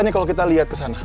kita lihat kesana